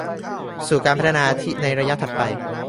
สู่การพัฒนาในระยะถัดไป